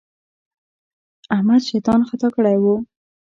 احمد شيطان خطا کړی وو.